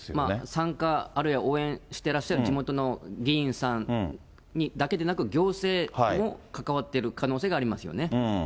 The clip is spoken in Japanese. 参加、あるいは応援してらっしゃる地元の議員さんだけでなく、行政も関わっている可能性がありますよね。